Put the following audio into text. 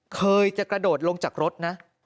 เคยจะกระโดดลงจากรถนะ